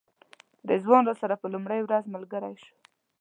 رضوان راسره په لومړۍ ورځ ملګری شو.